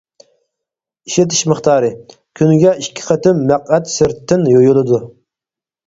ئىشلىتىش مىقدارى: كۈنىگە ئىككى قېتىم مەقئەت سىرتتىن يۇيۇلىدۇ.